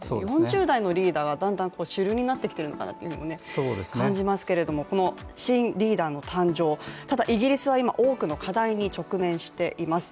４０代のリーダーがだんだん主流になってきていると感じますけれども新リーダーの誕生、ただイギリスは多くの課題に直面しています。